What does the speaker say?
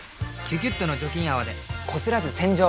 「キュキュット」の除菌泡でこすらず洗浄！